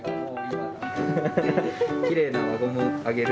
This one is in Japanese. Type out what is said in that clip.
きれいな輪ゴムあげる。